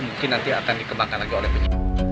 mungkin nanti akan dikembangkan lagi oleh penyidik